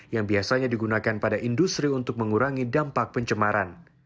yang biasanya digunakan pada industri untuk mengurangi dampak pencemaran